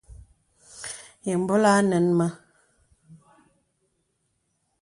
Yə bɔlaŋ a nɛŋ mə.